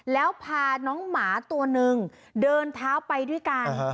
แล้วพาน้องหมาตัวนึงเดินเท้าไปด้วยกัน